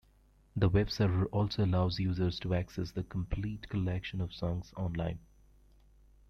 The web server also allows users to access the complete collection of songs online.